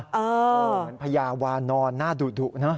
เหมือนพญาวานอนหน้าดุเนอะ